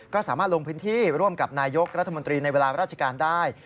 ก็สามารถลงพื้นที่ร่วมกับนายกรัฐมนตรีในเวลาราชการได้